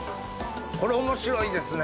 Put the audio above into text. これ面白いですね。